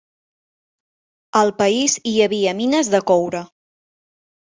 Al país hi havia mines de coure.